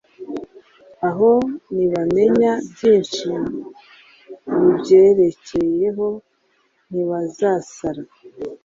aho nibamenya byinshi bibyerekeyeho ntibazasara